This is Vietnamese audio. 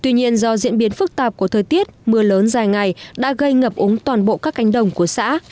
tuy nhiên do diễn biến phức tạp của thời tiết mưa lớn dài ngày đã gây ngập úng toàn bộ các cánh đồng của xã